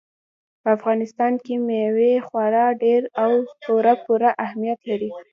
په افغانستان کې مېوې خورا ډېر او پوره پوره اهمیت لري.